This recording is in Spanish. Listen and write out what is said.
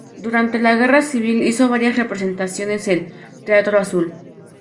Durante la Guerra Civil hizo varias representaciones el "Teatro Azul".